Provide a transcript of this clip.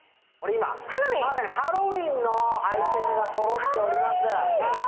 まさにハロウィンのアイテムがそろっております。